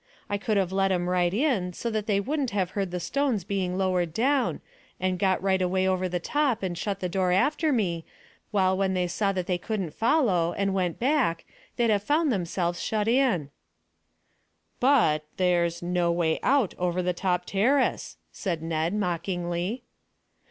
I could have led 'em right in so that they wouldn't have heard the stones being lowered down, and got right away over the top and shut the door after me, while when they saw that they couldn't follow, and went back, they'd have found themselves shut in." "But there's no way out over the top terrace," said Ned mockingly.